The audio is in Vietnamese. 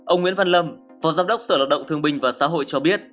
ông nguyễn văn lâm phó giám đốc sở lao động thương bình và xã hội cho biết